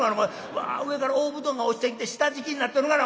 うわ上から大布団が落ちてきて下敷きになってるがな。